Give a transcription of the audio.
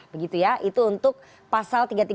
begitu ya itu untuk pasal tiga ratus tiga puluh